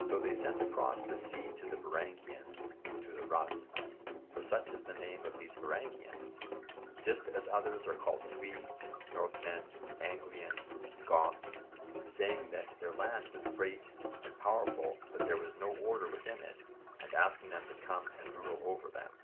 So they sent across the sea to the Varangians, to the 'Rus,' for such is the name of these Varangians, just as others are called Swedes, Northmen, Anglians, Goths, saying that their land was great and powerful but there was no order within it and asking them to come and rule over them.